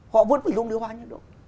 họ vẫn phải luôn điều hòa nhiệt độ